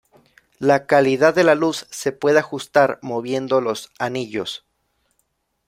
La calidad de la luz se puede ajustar moviendo los anillos.